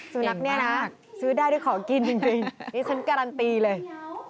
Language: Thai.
สุนัขเนี่ยนะซื้อได้ด้วยของกินจริงนี่ฉันการันตีเลย